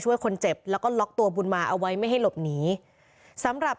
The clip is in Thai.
ช่วยคนเจ็บแล้วก็ล็อกตัวบุญมาเอาไว้ไม่ให้หลบหนีสำหรับ